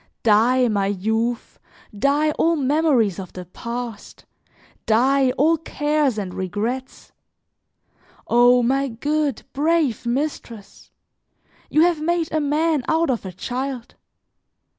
Die, my youth, die all memories of the past, die, all cares and regrets! O my good, brave mistress! You have made a man out of a child.